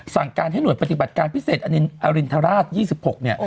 สั่งการให้หน่วยปฏิบัติการพิเศษอรินทราช๒๖เนี่ย